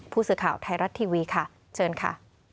ผู้สื่อข่าวไทยรัฐทีวีค่ะเชิญค่ะ